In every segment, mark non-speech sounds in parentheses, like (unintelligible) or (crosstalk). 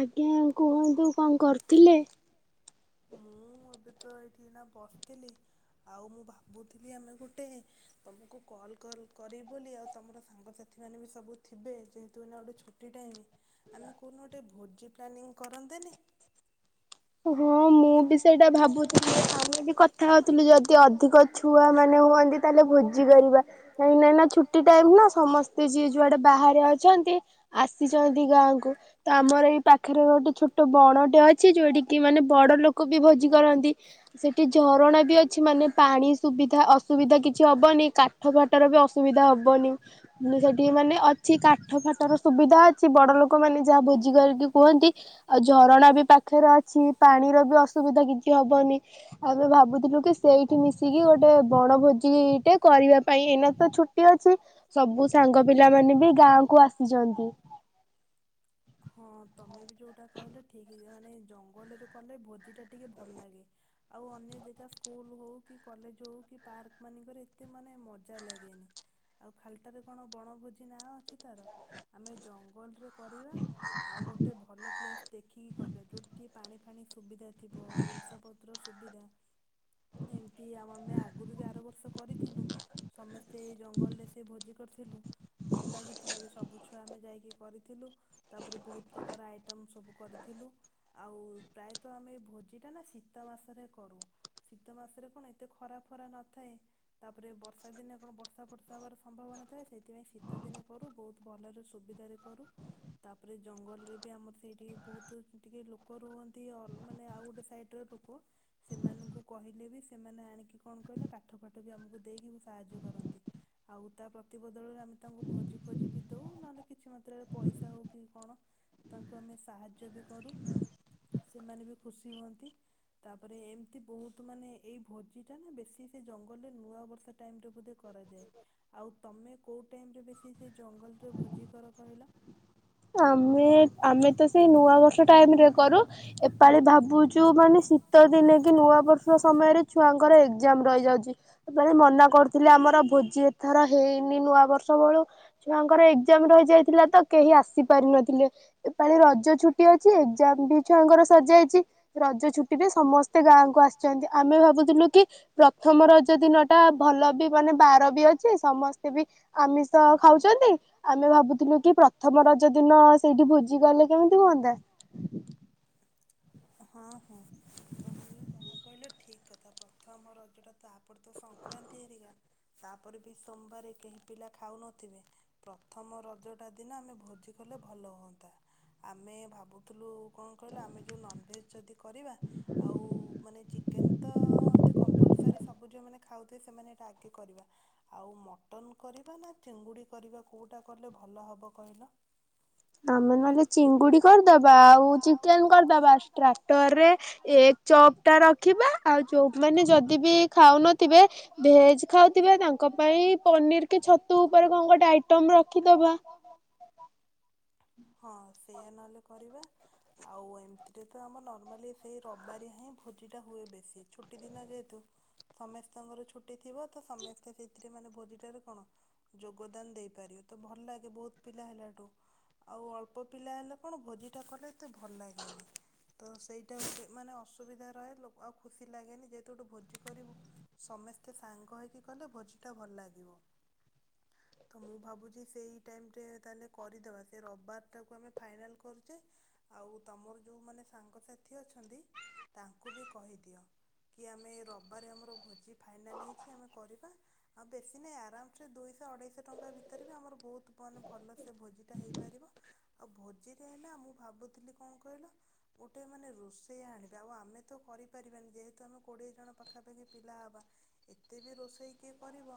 ଆଜ୍ଞା ଆଉ। କୁହନ୍ତୁ କଣ କରୁଥିଲେ? ମୁଁ ଏବେ ତ ଏଇଠିନା ବସିଥିଲି ଆଉ ମୁଁ ଭାବୁଥିଲି ଆମେ ଗୋଟେ ତମକୁ କଲ୍ କଲକରିବୁ ବୋଲି ଆଉ ତମର ସାଙ୍ଗସାଥି ମାନେ ବି ସବୁ ଥିବେ ଯେହେତୁନା ଗୋଟେ ଛୁଟି ଟାଇମ୍ ଆମେ କହୁନୁ ଗୋଟେ ଭୋଜି ପ୍ଲାନିଂ କରନ୍ତେନି। ହଁ ହଁ ମୁଁ ବି ସେଇଟା ଭାବୁଥିଲି ଆମେ ବି କଥା ହଉଥିଲୁ ଯଦି ଅଧିକ ଛୁଆ ମାନେ ହୁଅନ୍ତି ତାହେଲେ ଭୋଜି କରିବା କାହିଁ ନା ନା ଛୁଟି ଟାଇମ ନା ସମସ୍ତେ ଯିଏ ଯୁଆଡେ ବାହାରେ ଅଛନ୍ତି ଆସିଛନ୍ତି ଗାଁକୁ। (unintelligible) ତ ଆମର ଏଇ ପାଖରେ ଗୋଟେ ଛୋଟ ବଣଟେ ଅଛି ଯୋଉଠି କି ମାନେ ବଡ ଲୋକ ବି ଭୋଜି କରନ୍ତି ସେଠି ଝରଣା ବି ଅଛି ମାନେ ପାଣି ସୁବିଧା ଅସୁବିଧା କିଛି ହବନି କାଠ ଫାଟର ବି ଅସୁବିଧା ହବନି ସେଠି ମାନେ ଅଛି କାଠ ଫାଟର ସୁବିଧା ଅଛି ବଡ ଲୋକମାନେ ଯାହା ଭୋଜି କରିକି କୁହନ୍ତି ଆଉ ଝରଣା ବି ପାଖରେ କିଛି ପାଣିର ବି ଅସୁବିଧା କିଛି ହବନି ଆମେ ଭାବୁଥିଲୁ କି ସେଇଠି ମିଶିକି ଗୋଟେ ବଣଭୋଜିଟେ କରିବା ପାଇଁ ଏଇନା ତ ଛୁଟି ଅଛି ସବୁ ସାଙ୍ଗ ପିଲାମାନେ ବି ଗାଁକୁ ଆସିଛନ୍ତି। ତମେ ବି ଯେଉଁଟା କହିଲ ଠିକ୍ ଯେ ମାନେ ଜଙ୍ଗଲରେ କଲେ ଭୋଜିଟା ଟିକେ ଭଲ ଲାଗେ ଆଉ ଅନ୍ୟ ଜାଗା ସ୍କୁଲ ହଉ କି କଲେଜ ହଉ କି ପାର୍କ ମାନଙ୍କରେ ଏତେ ମାନେ ମଜା ଲାଗେନି ଆଉ ଖାଲିଟାରେ କଣ ବଣଭୋଜି ନାଁ ଅଛି ତାର ଆମେ ଜଙ୍ଗଲରେ କରିବା। ଆଉ ଗୋଟେ ଭଲ ପ୍ଲେସ ଦେଖିକି କରିବା ଯୋଉ ଟିକିେ ପାଣି ପା ସୁବିଧା ଅ ଥିବ ଜିନିଷ ପତ୍ର ସୁବିଧା ଏମିତି ଆ ଆମେ ଆଗରୁ ବି ଆର ବର୍ଷ କରିଥିଲୁ ସମସ୍ତେ ଜଙ୍ଗଲରେ ସେ ଭୋଜି କରିଥିଲୁ ଭଲ ଲାଗିଥିଲା ବି ସବୁ ଛୁଆ ଆମେ ଯାଇକି କରିଥିଲଲୁ। ତାପରେ ବହୁତ ପ୍ରକାର ଆଇଟମ୍ ସବୁ କରିଥିଲୁ ଆଉ ପ୍ରାୟତଃ ଆମେ ଭୋଜିଟା ନା ଶୀତ ମାସରେ କରୁ ଶୀତ ମାସରେ କଣ ଏତେ ଖରା ଫରା ନଥାଏ ତାପରେ ବର୍ଷା ଦିନେ କଣ ବର୍ଷା ଫର୍ଷା ହେବାର ସମ୍ଭାବନା ଥାଏ ସେଇଥିପାଇଁ ଶୀତ ଦିନେ କରୁ ବହୁତ ଭଲରେ ସୁବିଧାରେ କରୁ। ତାପରେ ଜଙ୍ଗଲରେ ବି ଆମର ସେଇଠି ବହୁତ ଟିକେ ଲୋକ ରୁହନ୍ତି ମାନେ ଆଉ ଗୋଟେ ସାଇଡ଼ର ଲୋକ ସେମାନଙ୍କୁ କହିଲେ ବି ସେମାନେ ଆଣିକି କଣ କହିଲେ କାଠ ଫାଠ ବି ଆମକୁ ଦେଇକି ସାହାଯ୍ୟ କରନ୍ତି ଆଉ ତା ପ୍ରତିବଦଳରେ ଆମେ ତାଙ୍କୁ ଭୋଜି ଫୋଜି ବି ଦେଉ ନହେଲେ କିଛି ମାତ୍ରାରେ ପଇସା ହେଉ କଣ ତାଙ୍କୁ ଆମେ ସାହାଯ୍ୟ ବି କରୁ ସେମାନେ ବି ଖୁସି ହୁଅନ୍ତି ତାପରେ ଏମତି ବହୁତ ମାନେ ଏଇ ଭୋଜିଟା ନା ବେଶୀ ସେ ଜଙ୍ଗଲରେ ନୂଆ ବର୍ଷ ବୋଧେ କରାଯାଏ ଆଉ ତମେ କୋଉ ଟାଇମରେ ବ ସେ ଜଙ୍ଗଲରେ ଭୋଜି କର କହିଲ? ଆମେ ଆମେ ତ ସେଇ ନୂଆ ବର୍ଷ ଟାଇମ ରେ କରୁ ଏପାଳି ଭାବୁଛୁ ଯୋଉମାନେ ଶୀତ ଦିନେ କି ନୂଆ ବର୍ଷ ସମୟରେ ଛୁଆଙ୍କର ଏକ୍ଜାମ ରହିଯାଉଛି। ମନା କରୁଥିଲେ ଆମର ଭୋଜି ଏଥର ହେଇନି ନୂଆ ବର୍ଷ ବେଳୁ ଛୁଆଙ୍କର ଏକ୍ଜାମ ରହିଯାଇଥିଲା ତ କେହି ଆସ ଆସି ପାରି ନଥିଲେ ଏପାଳି ରଜ ଛୁଟି ଅଛି ଏକ୍ଜାମ ବି ଛୁଆଙ୍କର ସରଯାଇଛି ରଜ ଛୁଟିରେ ସମସ୍ତେ ଗାଁକୁ ଆସିଛନ୍ତି ଆମେ ଭାବୁଥିଲୁ କି ପ୍ରଥମ ରଜ ଦିନଟା ଭଲ ଭଲ ବି ମାନେ ବାର ବି ଅଛି ସମସ୍ତେ ବି ଆମିଷ ଖାଉଛନ୍ତି ଆମେ ଭାବୁଥିଲୁ କି ପ୍ରଥମ ରଜ ଦିନ ସେଇଠି ଭୋଜି କଲେ କେମିତି ହୁଅନ୍ତା। ହଁ ହଁ ତମେ ଯାହା କହିଲେ ଠିକ କଥା ପ୍ରଥମ ରଜଟା ତାପରେ ତ ସଂକ୍ରାନ୍ତି ତାପରେ ବି ସୋମବାର କେହି ପିଲା ଖାଉନଥିବେ ପ୍ରଥମ ରଜଟା ଦିନ ଆମେ ଭୋଜି କଲେ ଭଲ ହୁଅନ୍ତା ଆମେ ଭାବୁଥିଲୁ। କଣ କହିଲ ଆମେ ଯେଉଁ ନନଭେଜ ଯଦି କରିବା ଆଉ ମାନେ ଚିକେନ୍ ତ ଏମିତି କମ୍ପଲସରି ସବୁି ଯୋମାନେ ଖାଉ ସେମାନେ ଏଟା ଆଗେ କରିବା ଆଉ ମଟନ କରିବା ନା ଚିଙ୍ଗୁଡି କରିବା କୋଉଟା କଲେ ଭଲ ହବ କହିଲ? ଆମେ ନହେଲେ ଚିଙ୍ଗୁଡି କରିଦବା ଆଉ ଚିକେନ କରିଦବା ଷ୍ଟ୍ରାଟରରେ ଏଗ ଚପ୍ ଟା ରଖିବା ଆଉ ଜୋପ ମାନେ ଯଦି ବି ଖାଉନଥିବେ ଭେଜ ଖାଉଥିବା ତାଙ୍କ ପାଇଁ ପନିର କି ଛତୁ ଉପରେ କଣ ଗୋଟେ ଆଇଟମ ରଖିଦବା। ହଁ ସେଇଆ ନହେଲେ କରିବା ଆଉ ଏମିତିରେ ତ ଆମ ନର୍ମାଲି ସେଇ ରବିବାରିଆ ହିଁ ଭୋଜିଟା ହୁଏ ବେଶୀ ଛୁଟି ଦିନ ଯେହେତୁ ସମସ୍ତଙ୍କର ଛୁ ଛୁଟି ଥିବ ତ ସମସ୍ତେ ସେଥିରେ ମାନେ ଭୋଜିଟାରେ କଣ ଯୋଗଦାନ ଦେଇପାରିବେ ତ ଭଲ ଲାଗେ ବହୁତ ପିଲା ହେଲାଠୁ ଆଉ ଅଳ୍ପ ପିଲା ହେଲେ କଣ ଭୋଜିଟା କଲେ ଏ ତେ ଭଲ ଲାଗେନି ତ ସେଇଟା ମାନେ ଅସୁବିଧା ରହେ ଆଉ ଖୁସି ଲାଗେନି ଯେହେତୁଗୋଟେ ଭୋଜି କରିବୁ ସମସ୍ତେ ମତେ ସାଙ୍ଗ ହେଇକି କଲେ ଭୋଜି ଟା ଭଲ ଲାଗିବ ତ ମୁଁ ଭାବୁଛି ସେଇ ଟାଇମ୍ ରେ ତାହାଲେ କରିଦବା ସେ ରବିବାର ଟାକୁ ଆମେ ଫାଇନାଲକରୁଛେ ଆଉ ତମର ଯୋଉ ମାନେ ସାଙ୍ଗସଥି ଅଛନ୍ତି ତାଙ୍କୁ ବି କହିଦିଅ କି ଆମେ ରବିବାର ଆମର ଭୋଜି ଫାଇନାଲ୍ ହେଇଛି ଆମେ କରିବା ଆଉ ବେଶୀ ନାହିଁ ଆରାମସେ ଦୁଇଶହ ଅଢ଼େଇଶହ ଟଙ୍କା ଭିତରେ ବି ଆମର ବହୁତ ମାନେ ଭଲ ସେ ଭୋଜିଟା ହେଇପାରିବ ଆଉ ଭୋଜିରେ ହେଲା ମୁଁ ଭାବୁଥିଲି କଣ କହିଲ ଗୋଟେ ମାନେ ରୋଷେଇ ଆଣିବା ଆଉ ଆମେ ତ କରିପାରିବାନି ଯେହେତୁ ଆମେ କୋଡ଼ିଏ ଜଣ ପାଖାପାଖି ପିଲା ହେବା। ଏତେ ବି ରୋଷେଇ କିଏ କରିବ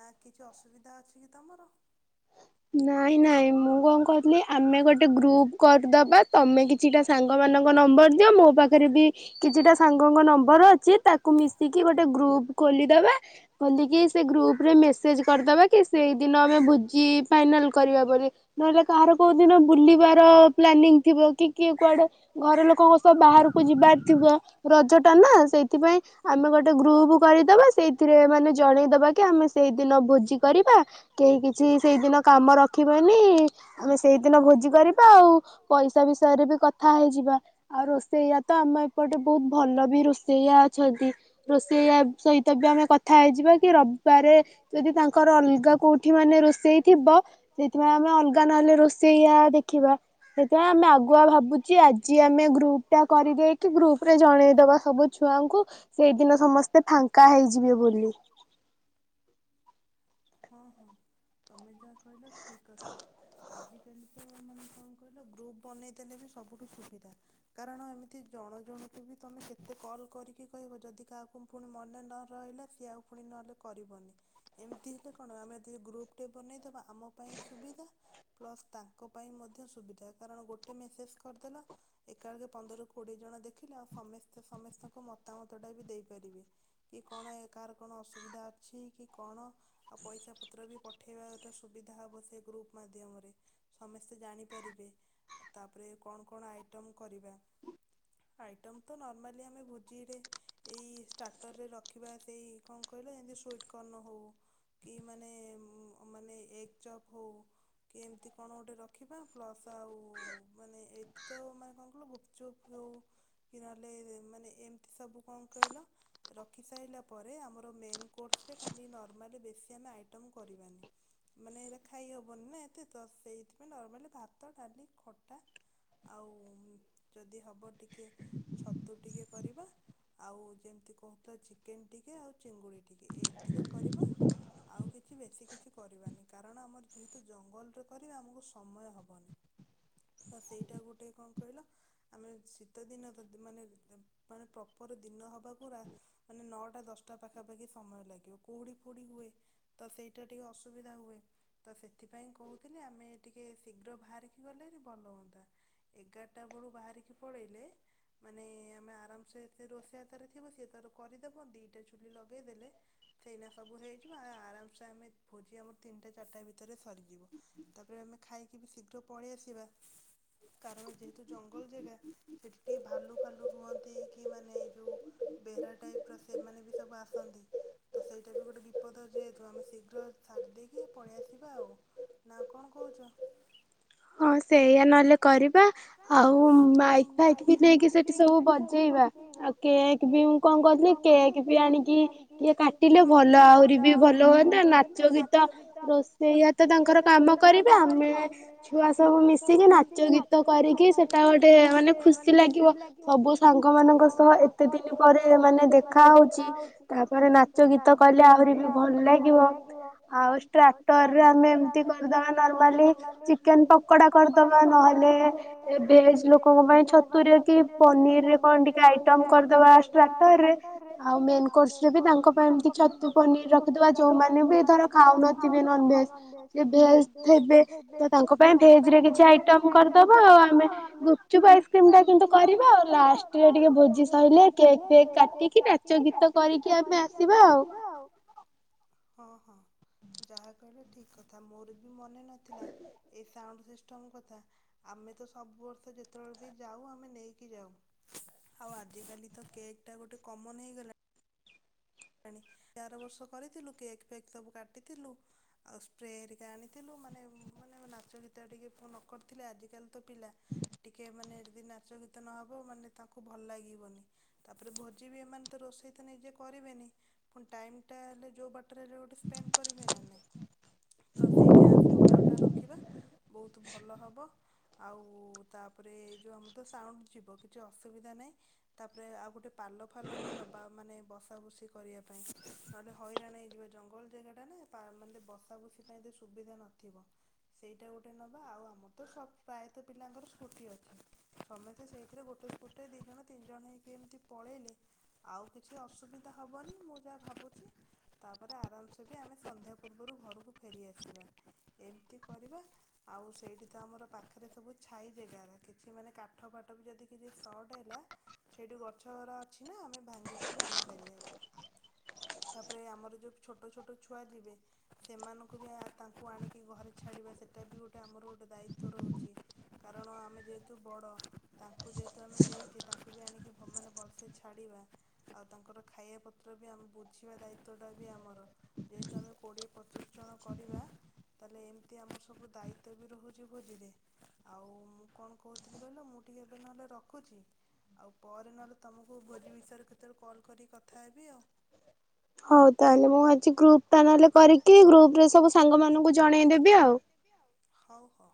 ନା କିଛି ଅସୁବିଧା ଅଛି କି ତମର? ନାଇଁ ନାଇଁ ମୁଁ କଣ କହୁଥିଲି ଆମେ ଗୋଟେ ଗ୍ରୁପ କରିଦବା ତମେ କିଛିଟା ସାଙ୍ଗ ମାନଙ୍କ ନମ୍ବର ଦିଅ ମୋ ପାଖରେ ବି କିଛିଟା ସା ଙ୍କ ନମ୍ବର ଅଛି ତାକୁ ମିଶିକି ଗୋଟେ ଗ୍ରୁପ ଖୋଲିଦବା ଖୋଲିକି ସେ ଗ୍ରୁପ ରେ ମେସେଜ କରିଦବା କି ସେଇଦିନ ଆମେ ଭୋଜି ଫାଇନାଲ କରିବା ବୋଲି ନହେଲେ କାହାର କଉ ଦିନ ବୁଲିବାର ପ୍ଲାନିଂ ଥିବ କି କି କୁଆଡେ ଘର ଲୋକଙ୍କ ସହ ବାହାରକୁ ଯିବାର ଥିବ ରଜ ଟା ନା ସେଇଥିପାଇଁ ଆମେ ଗୋଟେ ଗ୍ରୁପ କରିଦବା ସେଇଥିରେ ମାନେ ଜଣେଇଦବା କି ଆମେ ସେଇଦିନ ଭୋଜି କରିବା। କେହି କିଛି ସେଇଦିନ କାମ ରଖିବନି ଆମେ ସେଇଦିନ ଭୋଜି କରିବା ଆଉ ପଇସା ବିଷୟରେ ବି କଥା ହେଇଯିବା ଆଉ ରୋଷେଇଆ ତ ଆମ ଏପଟେ ବହୁତ ଭଲ ବି ରୋଷେଇଆ ଅଛନ୍ତି ରୋଷେଇଆ ସହିତ ବି ଆମେ କଥା ହେଇଯିବା କି ରବିବାରେ ଯଦି ତାଙ୍କର ଅଲଗା କୋଉଠି ମାନେ ରୋଷେଇ? ଥିବ ସେଇଥିପାଇଁ ଆମେ ଅଲଗା ନହେଲେ ରୋଷେଇଆ ଦେଖିବା ସେଥିପାଇଁ ଆମେ ଆଗୁଆ ଭାବୁଛି ଆଜି ଆମେ ଗ୍ରୁପ ଟା କରିଦେଇକି ଗ୍ରୁପ ରେ ଜଣେଇଦବା ସବୁ ଛୁଆଙ୍କୁ ସେଇଦିନ ସମସ୍ତେ ଫାଙ୍କା ହେଇଯିବେ ବୋଲି। ହଁ ହଁ ତମେ ଯାହା କହିଲ ଠିକ କଥା ଆଜିକାଲି ତ ମାନେ କଣ କହିଲ ଗ୍ରୁପ୍ ବନେଇଦେଲେ ବି ସବୁଠୁ ସୁବିଧା କାରଣ ଏମିତି ଜଣ ଜଣକୁ ବି ତମେ କେତେ କଲ୍ କରିକି କହିବ ଯଦି କାହାକୁ ପୁଣି ମନେ ନ ରହିଲା ସିଏ ଆଉ ପୁଣି ନହେଲେ କରିବନି ଏମ ଏ ହେଲେ କଣ ଆମେ ଗ୍ରୁପ ଟେ ବନେଇଦବା ଆମ ପାଇଁ ସୁବିଧା ପ୍ଲସ ତାଙ୍କ ପାଇଁ ମଧ୍ୟ ସୁବିଧା କାରଣ ଗୋଟେ ମେସେଜ କରିଦେଲ ଏକା ଆଗେ ପନ୍ଦର କୋଡିଏ ଜଣ ଦେଖିଲେ ଆଉ ସମସ୍ତେ ସମସ୍ତଙ୍କ ମତାମତ ଟା ବି ଦେଇପାରିବେ କି କଣ ଏକାର କଣ ଅସୁବିଧା ଅଛି କି କଣ? ଆଉ ପଇସା ପତ୍ର ବି ପଠେଇବାଟା ସୁବିଧା ହବ ସେ ଗ୍ରୁପ ମାଧ୍ୟମରେ ସମସ୍ତେ ଜାଣିପାରିବେ ତାପରେ କଣ କଣ ଆଇଟମ କରିବା ଆଇଟମ ତ ନର୍ମାଲି ଆମେ ଭୋଜିରେ ଏଇ ଷ୍ଟାର୍ଟରରେ ରଖିବା ସେଇ କଣ କହିଲ ଯେମିତି ସୁଇଟ୍କର୍ଣ୍ଣ ହଉ। କି ମାନେ ମାନେ ଏଗ ଚପ୍ ହଉ କି ଏମତି କଣ ଗୋଟେ ରଖିବା। ପ୍ଲସ୍ ଆଉ ମାନେ ଏଇଠି ତ ମାନେ ହିଁ ଚୁପ୍ ହଉ କି ନହେଲେ ମାନେ ଏମିତି ସବୁ କଣ କହିଲ ରଖି ସାରିଲା ପରେ ଆମର ମେନ୍ କୋର୍ସ ରେ ଖାଲି ନର୍ମାଲି ବେଶୀ ଆମେ ଆଇଟମ କରିବାନି ମାନେ ଏଇଟ ଖାଇ ହେବନି ନା ଏତେ ତ ସେଇଥିପାଇଁ ନର୍ମାଲି ଭାତ ଡାଲି ଖଟା ଆଉ ଯଦି ହବ ଟିକେ ଛତୁ ଟିକେ କରିବା ଆଉ ଯେମିତି କହୁଥିବା ଚିକେନ ଟିକେ ଆଉ ଚିଙ୍ଗୁଡ଼ି ଟିକେ ଏ ଏତିକ କରିବା। ଆଉ କିଛି ବେଶୀ କିଛି କରିବାନି କାରଣ ଆମର ଯେହେତୁ ଜଙ୍ଗଲରେ କରିବା ଆମକୁ ସମୟ ହେବନି। ତ ସେଇଟା ଗୋଟେ କଣ? କହିଲ ଆମେ ଶୀତ ଦିନ ମାନେ ମାନେ ପ୍ରପର ଦିନ ହବାକୁ ମାନେ ନଅଟା ଦଶଟା ପାଖାପାଖି ସମୟ ଲାଗିବ କୁହୁଡି ଫୁହୁଡି ହୁଏ। ତ ସେଇଟା ଟିକେ ଅସୁବିଧା ହୁଏ ତ ସେଥିପାଇଁ କହୁଥିଲି ଆମେ ଟିକେ ଶୀଘ୍ର ବାହାରିକି ଗଲେଣି ଭଲ ହୁଅନ୍ତା ଏଗାରଟା ବେଳୁ ବାହାରିକି ପଳେଇଲେ ମାନେ ଆମେ ଆରାମସେ ସେ ରୋଷେଇଆ ତାରେ ଥିବ ସି ତାର କରିଦେବ ଦୁଇଟା ଚୁଲି ଲଗେଇଦେଲେ ସେଇନା ସବୁ ହେଇଯିବ। ଆରାମସେ ଆମେ ଭୋଜି ଆମର ତିନିଟା ଚାରିଟା ଭିତରେ ସରିଯିବ ତାପରେ ଆମେ ଖାଇକି ବି ଶୀଘ୍ର ପଳେଇ ଆସିବା। କାରଣ ଯେହେତୁ ଜଙ୍ଗଲ ଜାଗା ସେଠି ଭାଲୁ ଭାଲୁ ରୁହନ୍ତି କି ମାନେ ଯେଉଁ ବରାହା ଟାଇପ୍ ର ସେମାନେ ବି ସବୁ ଆସନ୍ତି ତ ସେଇଟା ବି ଗୋଟେ ବିପଦ ଯେ ତ ଆମେ ଶୀଘ୍ର ସାରି ଦେଇକି ପଳେଇ ଆସିବା ଆଉ ନା କଣ କହୁଛ? ହଁ ସେଇଆ ନହେଲେ କରିବା ଆଉ ମାଇକ୍ ଫାଇକ୍ ବି ନେଇକି ସେଠି ସବୁ ବଜେଇବା ଆଉ କେକ୍ ବି ମୁଁ କଣ କହୁଥିଲି କେକ୍ ବି ଆଣିକି ଟିକେ କାଟିଲେ ଭଲ ଆହୁରି ବି ଭଲ ହୁଅନ ନାଚ ଗୀତ ରୋଷେଇଆ ତ ତାଙ୍କର କାମ କରିବେ ଆମେ ଛୁଆ ସବୁ ମିଶିକି ନାଚ ଗୀତ କରିକି ସେଟା ଗୋଟେ ମାନେ ଖୁସି ଲାଗିବ ସବୁ ସାଙ୍ଗ ମାନଙ୍କ ସହ ଏତେ ଦିନ ପରେ ମାନେ ଦେଖା ହଉଛି ତାପରେ ନାଚ ଗୀତ କଲେ ଆହୁରି ବି ଭଲ ଲାଗେ ଆଉ ଟ୍ରାକ୍ଟରରେ ଆମେ ଏମତୀ କରିଦବା ନର୍ମାଲି ଚିକେନ ପକୋଡା କରିଦବା ନହେଲେ ଏ ଭେଜ ଲୋକଙ୍କ ପାଇଁ ଛତୁ ରେ କି ପନିରରେ କଣ ଟିକେ ଆଇଟମ କରିଦବା ଷ୍ଟାଟରରେ ରରେ ଆଉ ମେନ କୋର୍ସ ରେ ବି ତାଙ୍କ ପାଇଁ ଏମତି ଛତୁ ପନିର ରଖିଦବା ଯୋଉମାନେ ଯୋଉମାନୋନ ବି ଧର ଖାଉନଥିବେ ନ ଭେଜ (unintelligible) ତ ତାଙ୍କ ପାଇଁ ଭେଜ ରେ କିଛି ଆଇଟମ କରିଦବା ଆଉ ଆମେ ଗୁପଚୁପ ଆଇସ୍କ୍ରିମ ଟା କିୁ କରିବା ଆଉ ଲାଷ୍ଟରେ ଟିକେ ଭୋଜି ସରିଲେ କେକ୍ ଫେକ୍ କାଟିକି ନାଚ ଗୀତ କରିକି ଆମେ ଆସିବା ଆଉ ହଁ ହଁ ଯାହା କହିଲ ଠିକ କଥା ମୋର ମନେ ନଥିଲା ଏ ଠିକ କଥା ଆମେ ତ ସବୁ ବର୍ଷ ଯେତେବେଳେ ବି ଯାଉ ଆମେ ନେଇକି ଯାଉ ଆଉ ଆଜିକାଲି ତ କେକ୍ ଟା ଗୋଟେ କମନ ହେଇଗଲାଣି। ଚାର ବର୍ଷ କରିଥିଲୁ କେକ୍ ଫେକ୍ ସବୁ କାଟିଥିଲୁ ଆଉ ସ୍ପ୍ରେ ହେରିକା ଆଣିଥିଲୁ ମାନେ ମାନେ ନାଚ ଗୀତ ଟିକେ ନ କରିଥିଲେ ଆଜିକାଲି ତ ପିଲା ଟିକେ ମାନେ ଯଦି ନାଚ ଗୀତ ନହେବ ମାନେ ତାଙ୍କୁ ଭଲ ଲାଗିବନି ତାପରେ ଭୋଜି ବି ଏମାନେ ତ ରୋଷେଇ ତ ନିଜେ କରିବେନି ଣି ଟାଇମ ଟା ହେଲେ ଯୋଉ ବାଟରେ ହେଲେ ଗୋଟେ ସ୍ପେଣ୍ଡ କରିବେ ନା ନାଇଁ ତ ସେଇ ଡ୍ୟାନ୍ସ ପ୍ରୋଗ୍ରାମ ଟା ରଖିବା ବହୁତ ଭଲ ହବ ଆଉ ତାପରେ ଯୋଉ ଆମ ତ ସାଉଣ୍ଡ ଯିବ କିଛି ଅସୁବିଧା ନାହିଁ ତାପରେ ଆଉ ଗୋଟେ ପାଲ ଫାଲ ବି ନବା ମାନେ ବସା ବସି କରିବା ପାଇଁ ନହେଲେ ହଇରାଣ ହେଇଯିବ ଜଙ୍ଗଲ ଜାଗାଟା ନା ମାନେ ବସା ବୁସି ପାଇଁ ସୁବିଧା ନଥିବ ସେଇଟା ଗୋଟେ ନେବା ଆଉ ଆମର ତ ସ ପ୍ରାୟତଃ ପିଲାଙ୍କର ସ୍କୁଟି ଅଛି ସମସ୍ତେ ସେଇଥିରେ ଗୋଟେ ସ୍କୁଟି ଦୁଇ ଜଣ ତିନି ଜଣ ହେଇକି ଏମିତି ପଳେଇଲେ ଆଉ କିଛି ଅସୁବିଧା ହବନି ମୁଁ ଯାହା ଭାବୁଛି ତାପରେ ଆରାମସେ ବି ଆମେ ସନ୍ଧ୍ୟା ପୂର୍ବରୁ ଘରକୁ ଫେରିଆସିବା ଏମିତି କରିବା ଆଉ ସେଇଠି ତ ଆମର ପାଖରେ ସବୁ ଛାଇ ଜାଗାର କିଛି ମାନେ କାଠ ଫାଠ ବି ଯଦି କିଛି ସଟ ହେଲା ସେଇଠି ଗଛ ଅଛି। ନା ଆମେ ଭାଙ୍ଗିକି ବି ଆଣିପାରିବା ତାପରେ ଆମର ଯୋଉ ଛୋଟ ଛୋଟ ଛୁଆ ଯିବେ ସେମାନଙ୍କୁ ବି ତାଙ୍କୁ ଆଣିକି ଘରେ ଛାଡିବା ସେଟା ବି ଗୋଟେ ଆମର ଗୋଟେ ଦାୟିତଵ ରହୁଛି କାରଣ ଆମେ ଯେହେତୁ ବଡ ତାଙ୍କୁ ଯେହେତୁ ଆମେ ନେଇଛେ ତାଙ୍କୁ ବି ଆଣିକି ମାନେ ଭଲସେ ଛାଡିବା ଆଉ ତାଙ୍କର। ଖାଇବା ପତ୍ର ବି ଆମେ ବୁଝିବା ଦାୟିତଵ ଟା ବି ଆମର ଯେହେତୁ ଆମେ କୋଡିଏ ପ୍ରତେକ ଜଣ କରିବା ତାହେଲେ ଏମତି ଏ ଆମର ସବୁ ଦାୟିତଵ ବି ରହୁଛି ଭୋଜିରେ ଆଉ ମୁଁ କଣ କହୁଥିଲି କହିଲା ମୁଁ ଟିକେ ଏବେ ନହେଲେ ରଖୁଛି ଆଉ ପରେ ନହେଲେ ତମକୁ ଭୋଜି ବିଷୟରେ କେତେବେଳେ କଲ୍ କରି ଉଠାଇବି ଆଉ (inaudible) ହଉ ତାହେଲେ ମୁଁ ଆଜି ଗ୍ରୁପ ଟା ନ ହେଲେ କରିକି ଗ୍ରୁପ ରେ ସବୁ ସାଙ୍ଗ ମାନଙ୍କୁ ଜଣେଇଦେବି ଆଉ ହଉ ହଉ